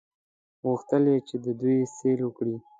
غوښتل یې چې د دوی سیل وکړي.